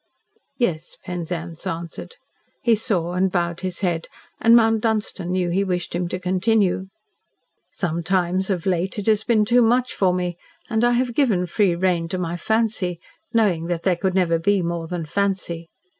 "Yes," Penzance answered. He saw, and bowed his head, and Mount Dunstan knew he wished him to continue. "Sometimes of late it has been too much for me and I have given free rein to my fancy knowing that there could never be more than fancy.